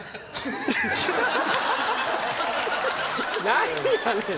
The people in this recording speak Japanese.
何やねん。